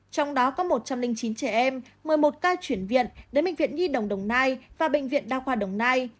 trong đó có một trăm linh chín trẻ em một mươi một ca chuyển viện đến bệnh viện nhi đồng đồng nai và bệnh viện đa khoa đồng nai